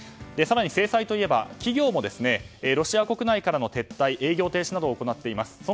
更に制裁といえば企業もロシア国内からの撤退、営業停止などを行っています。